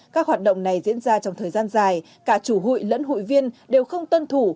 các hoạt động này diễn ra trong thời gian dài cả chủ hụi lẫn hụi viên đều không tuân thủ